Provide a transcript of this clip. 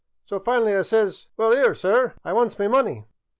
So finally I says, * Well, 'ere, sir, I wants me money.